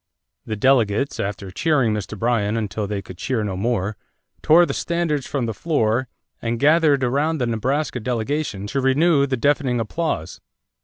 The delegates, after cheering Mr. Bryan until they could cheer no more, tore the standards from the floor and gathered around the Nebraska delegation to renew the deafening applause.